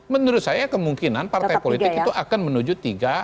menurut saya kemungkinan partai politik itu akan menuju tiga